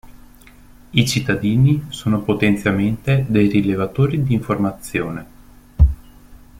I cittadini sono potenzialmente dei rilevatori di informazione.